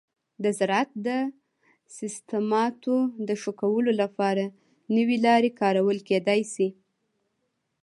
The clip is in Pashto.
د زراعت د سیستماتو د ښه کولو لپاره نوي لارې کارول کیدی شي.